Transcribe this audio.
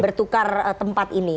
bertukar tempat ini